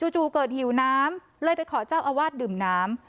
จู่เกิดหิวน้ำเลยไปขอเจ้าอาวาสดื่มน้ำ